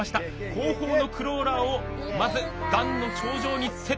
後方のクローラーをまず段の頂上にセット。